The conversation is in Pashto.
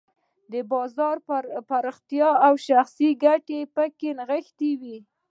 د بازار پراختیا او شخصي ګټې پکې نغښتې وې.